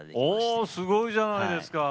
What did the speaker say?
おおすごいじゃないですか！